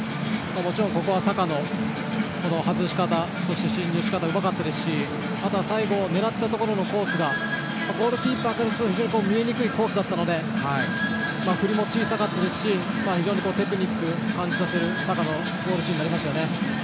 もちろんここはサカの外し方そして進入のしかたもうまかったしあとは狙ったところのコースがゴールキーパーから見えにくいコースだったので振りも小さかったですしテクニックを感じさせるサカのゴールシーンになりました。